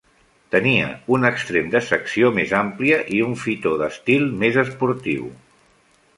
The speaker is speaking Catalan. Tenia un extrem de secció més àmplia i un fitó d'estil més esportiu.